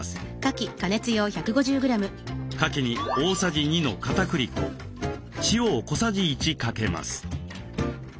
かきに大さじ２のかたくり粉塩を小さじ１かけます。